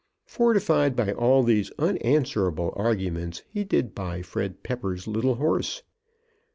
Fortified by all these unanswerable arguments he did buy Mr. Fred Pepper's little horse.